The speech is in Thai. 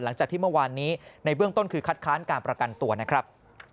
หลังจากที่เมื่อวานนี้ในเบื้องต้นคือคัดค้านการประกันตัวนะครับ